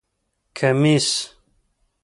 👗 کمېس